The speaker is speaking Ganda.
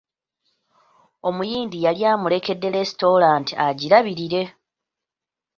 Omuyindi yali amulekedde lesitulanta agirabirire.